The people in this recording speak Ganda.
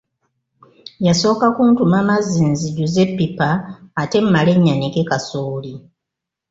Yasooka kuntuma mazzi nzijuze eppipa ate mmale nnyanike kasooli.